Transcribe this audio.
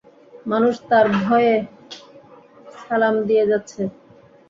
মানুষ তার ভয়ে সালাম দিয়ে যাচ্ছে!